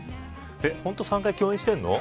本当に３回共演してるの。